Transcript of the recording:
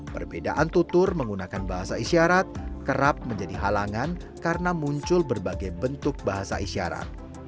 perbedaan tutur menggunakan bahasa isyarat kerap menjadi halangan karena muncul berbagai bentuk bahasa isyarat